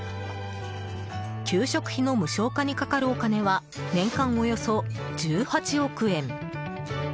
給食費の無償化にかかるお金は年間およそ１８億円。